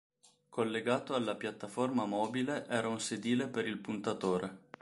Collegato alla piattaforma mobile era un sedile per il puntatore.